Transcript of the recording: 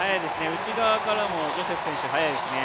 内側からもジョセフ選手はやいですね。